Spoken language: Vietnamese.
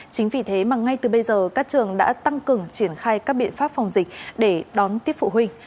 chính vì thế mà ngay từ bây giờ các trường đã tăng cường triển khai các biện pháp phòng dịch để đón tiếp phụ huynh